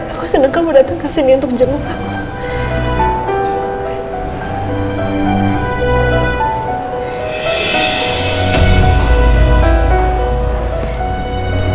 aku seneng kamu dateng kesini untuk jemput aku